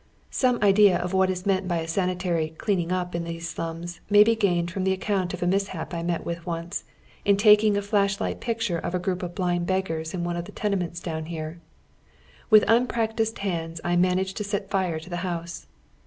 Some idea of what is meant by a sanitary "cleaning up" in these slums may be gained from the account of a mishap I met with once, in taking a flash light picture of a greup of blind beggars in one of the tenements down here. With unpractised liands I managed to set fire to the house.